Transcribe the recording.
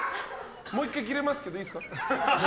もう１回切れますけどいいですか？